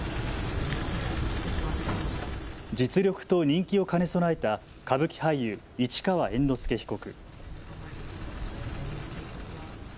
実力と人気を兼ね備えた歌舞伎俳優、市川猿之助被告。